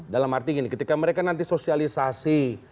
dalam arti gini ketika mereka nanti sosialisasi